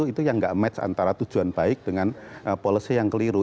itu yang gak match antara tujuan baik dengan policy yang keliru